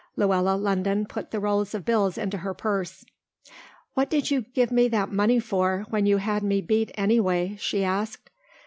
Luella London put the roll of bills into her purse. "What did you give me that money for when you had me beat anyway?" she asked.